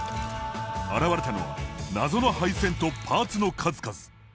現れたのは謎の配線とパーツの数々。